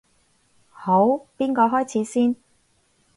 好，邊個開始先？